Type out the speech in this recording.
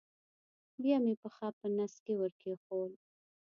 بیا مې پښه په نس کې ور کېښوول.